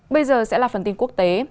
bây giờ sẽ là phần tin quốc tế